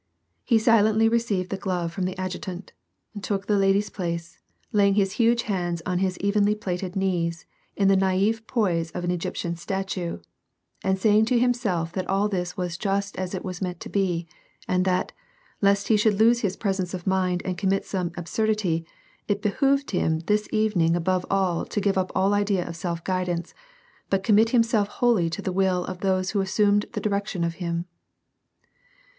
He silently received the glove from the adjutant, took the larly's place, laying his huge hands on his evenly planted knees in the naive poise of an Egyptian statue, and saying to him self that all this was just as it was meant to be, and that, lest he should lose his presence of mind and commit some absurd ity, it behooved him this evening al>ove all to give up all idea of self guidance, but commit himself wholly to the will of those ^ho assumed the direction of him.